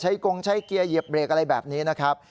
กงใช้เกียร์เหยียบเบรกอะไรแบบนี้นะครับ